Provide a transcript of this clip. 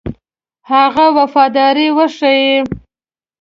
هغه وفاداري وښيي.